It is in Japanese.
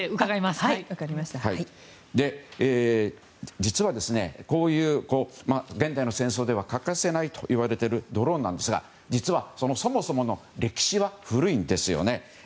実は、現代の戦争では欠かせないといわれているドローンですが実は、そもそもの歴史は古いんですよね。